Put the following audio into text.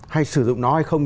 hay sử dụng nó hay không